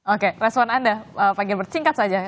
oke respon anda saya ingin bercingkat saja